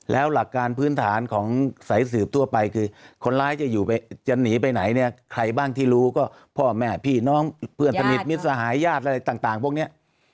แล้วหลักการพื้นฐานของสายสืบทั่วไปคือคนร้ายจะอยู่จะหนีไปไหนเนี่ยใครบ้างที่รู้ก็พ่อแม่พี่น้องเพื่อนสนิทมิตรสหายญาติอะไรต่างพวกนี้